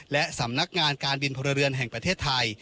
และสำนักงานการบินพลเรือนแห่งประเทศไทย